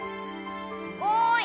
おい！